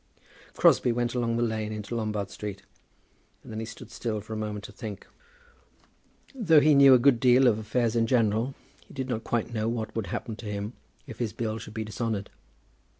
Crosbie went along the lane into Lombard Street, and then he stood still for a moment to think. Though he knew a good deal of affairs in general, he did not quite know what would happen to him if his bill should be dishonoured.